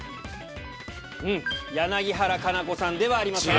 柳原加奈子さんではありません。